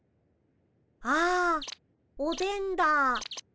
あっおでんだ。